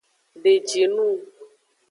Deji nung.